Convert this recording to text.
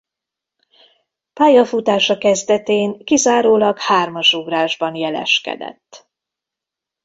Pályafutása kezdetén kizárólag hármasugrásban jeleskedett.